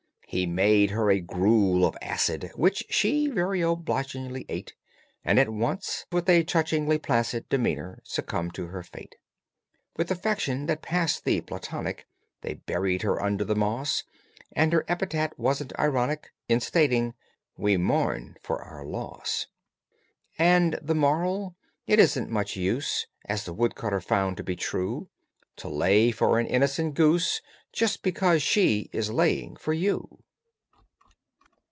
He made her a gruel of acid Which she very obligingly ate, And at once with a touchingly placid Demeanor succumbed to her fate. With affection that passed the platonic They buried her under the moss, And her epitaph wasn't ironic In stating, "We mourn for our loss." And THE MORAL: It isn't much use, As the woodcutter found to be true, To lay for an innocent goose Just because she is laying for you.